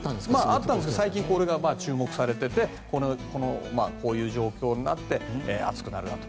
あるんですけど最近、注目されていてこういう状況になって暑くなると。